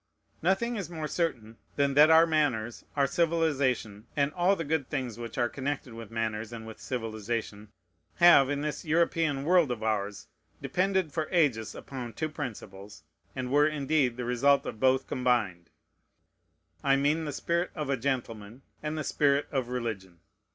Nothing is more certain than that our manners, our civilization, and all the good things which are connected with manners and with, civilization, have, in this European world of ours, depended for ages upon two principles, and were, indeed, the result of both combined: I mean the spirit of a gentleman, and the spirit of religion.